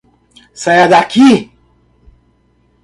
Saia daqui.